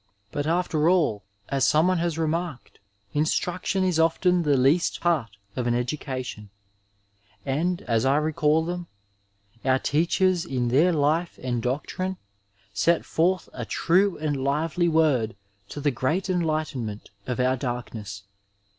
But after all, as someone has remarked, instruction is often the least part of an education, and, as I recall them, our teachers in their life and doctrine set forth a true and lively word to the great enlightenment of our darkness.